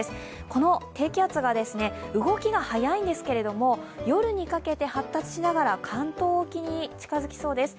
この低気圧が動きが早いんですけれども、夜にかけて発達しながら関東沖に近づきそうです。